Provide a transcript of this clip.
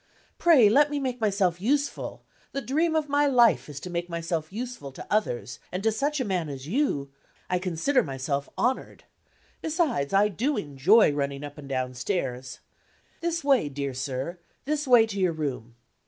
"Pray let me make myself useful. The dream of my life is to make myself useful to others; and to such a man as you I consider myself honored. Besides, I do enjoy running up and down stairs. This way, dear sir; this way to your room."